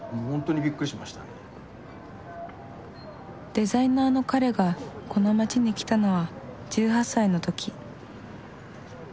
デザイナーの彼がこの街に来たのは１８歳の時。